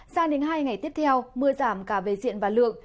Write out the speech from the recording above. sang đến hai ngày tiếp theo mưa giảm cả về diện và lượng